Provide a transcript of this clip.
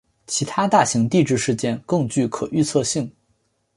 其他大型地质事件更具可预测性。